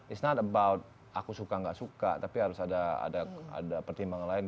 it's not about aku suka nggak suka tapi harus ada pertimbangan lain